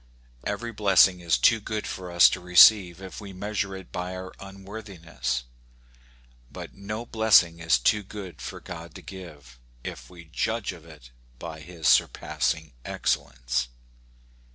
Every blessing is too good for us to receive if we measure it by our unworthiness ; but no blessing is too good for God to give, if we judge of it by his surpassing excellence.